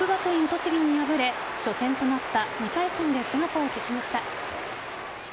栃木に敗れ初戦となった２回戦で姿を消しました。